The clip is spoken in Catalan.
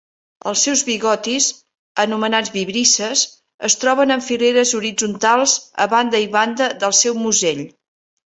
Els seus bigotis, anomenats vibrisses, es troben en fileres horitzontals a banda i banda del seu musell.